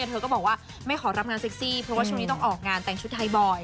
เธอก็บอกว่าไม่ขอรับงานเซ็กซี่เพราะว่าช่วงนี้ต้องออกงานแต่งชุดไทยบ่อย